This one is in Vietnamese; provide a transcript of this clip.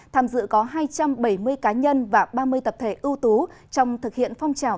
tham dự có hai trăm bảy mươi cá nhân và ba mươi tập thể ưu tú trong thực hiện phong trào